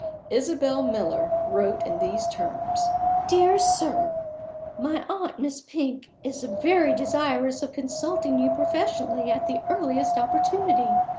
Isabel Miller wrote in these terms: "Dear Sir My aunt, Miss Pink, is very desirous of consulting you professionally at the earliest opportunity.